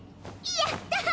やった！